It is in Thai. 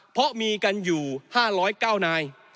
เพราะมีกันอยู่๕๐๙นาย